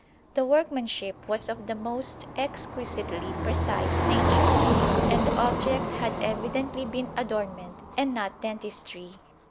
The workmanship was of the most exquisitely precise nature, and the object had evidently been adornment and not dentistry.